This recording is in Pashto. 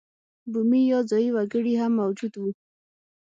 بومي یا ځايي وګړي هم موجود وو.